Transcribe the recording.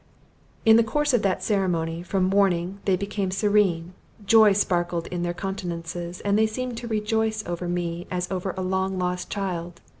In the course of that ceremony, from mourning they became serene joy sparkled in their countenances, and they seemed to rejoice over me as over a long lost child.